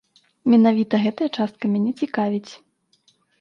Менавіта гэтая частка мяне цікавіць.